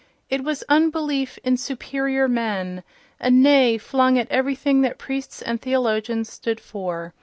It was unbelief in "superior men," a Nay flung at everything that priests and theologians stood for.